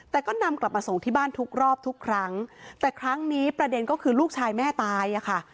แต่ก็นำกลับมาส่งที่บ้านทุกรอบทุกครั้งแต่ครั้งนี้ประเด็นก็คือลูกชายแม่ตายอ่ะค่ะ